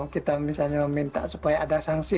kita misalnya meminta supaya ada sangsi itu